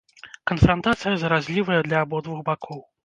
Канфрантацыя заразлівая для абодвух бакоў.